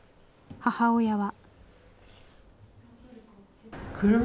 母親は。